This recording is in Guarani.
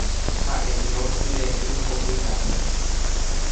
Ha'eño tyre'ỹ opyta.